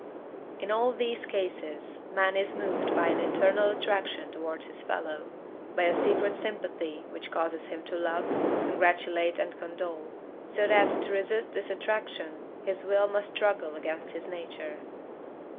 In all these cases, man is moved by an internal attraction towards his fellow, by a secret sympathy which causes him to love, congratulate, and condole; so that, to resist this attraction, his will must struggle against his nature.